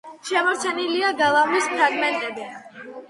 შემორჩენილია გალავნის ფრაგმენტები.